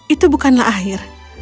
itu bukanlah akhir